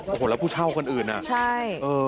โอ้โฮแล้วผู้เช่ากันอื่นอ่ะเออใช่